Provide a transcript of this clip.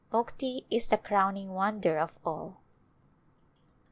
Mukti is the crowning wonder of all."